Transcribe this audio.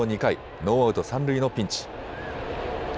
ノーアウト三塁のピンチ。